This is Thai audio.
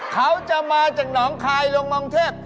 เขาจะมาจากหนองคายลงมองเทพ